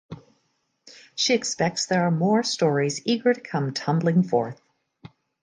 She expects there are more stories eager to come tumbling forth.